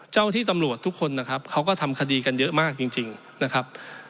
เจ้าที่ตำรวจทุกคนนะครับเขาก็ทำคดีกันเยอะมากจริงนะครับ